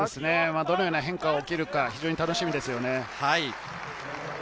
どのような変化が起きるか、非常に楽しみですよね。